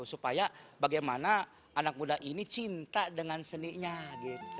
supaya bagaimana anak muda ini cinta dengan seninya gitu